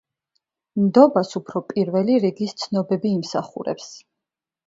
ნდობას უფრო პირველი რიგის ცნობები იმსახურებს.